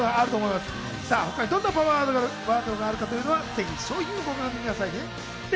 他にどんなパワーワードがあるかは、ぜひ商品をご覧ください。